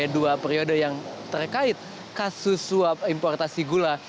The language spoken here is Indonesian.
dua periode yang terkait kasus suap importasi gula